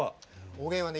おげんはね